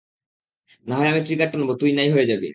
নাহয় আমি ট্রিগার টানবো তুই নাই হয়ে যাবি।